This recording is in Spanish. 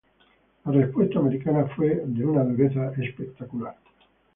La respuesta americana fue de una dureza espectacular.